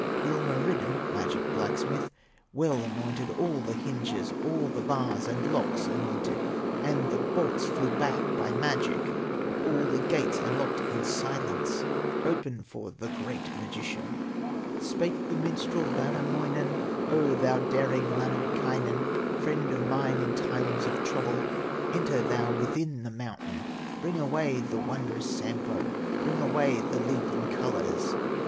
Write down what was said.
Ilmarinen, magic blacksmith, Well anointed all the hinges, All the bars and locks anointed, And the bolts flew back by magic, All the gates unlocked in silence, Opened for the great magician. Spake the minstrel Wainamoinen: "O thou daring Lemminkainen, Friend of mine in times of trouble, Enter thou within the mountain, Bring away the wondrous Sampo, Bring away the lid in colors!"